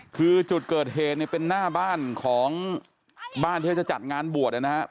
คือจุดเกิดเหตุเนี่ยเป็นหน้าบ้านของบ้านที่เธอจะจัดงานบวชนะครับ